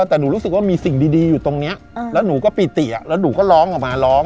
แต่หนูรู้สึกว่ามีสิ่งดีอยู่ตรงนี้แล้วหนูก็ปิติแล้วหนูก็ร้องออกมาร้อง